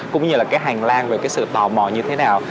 cũng như là cái hành lang về cái sự tò mò như thế nào